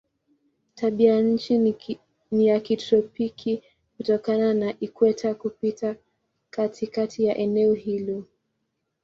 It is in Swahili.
Tabianchi ni ya kitropiki kutokana na ikweta kupita katikati ya eneo hilo.